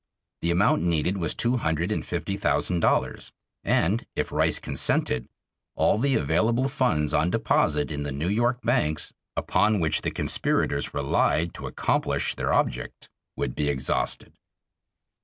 The amount needed was two hundred and fifty thousand dollars and if Rice consented, all the available funds on deposit in the New York banks, upon which the conspirators relied to accomplish their object, would be exhausted.